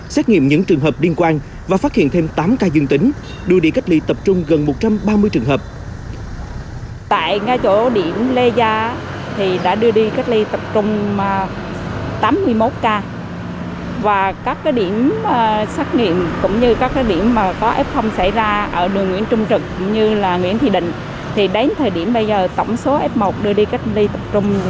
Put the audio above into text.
xét nghiệm những trường hợp liên quan và phát hiện thêm tám ca dương tính đưa đi cách ly tập trung gần một trăm ba mươi trường hợp